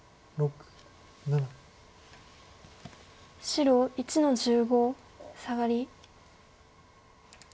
白１の十五サガリ。